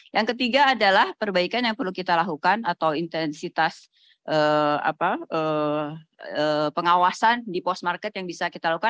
yang ketiga adalah perbaikan yang perlu kita lakukan atau intensitas pengawasan di post market yang bisa kita lakukan